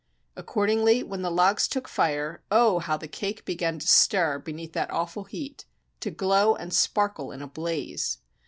Accordingly, when the logs took fire, oh! how the cake began to stir beneath that awful heat, to glow and sparkle in a blaze!